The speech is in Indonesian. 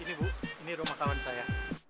ini bu ini rumah kawan saya